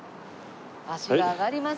足が上がります